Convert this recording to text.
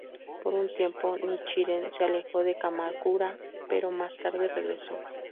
Por un tiempo Nichiren se alejó de Kamakura, pero más tarde regresó.